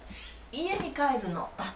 家に帰るの。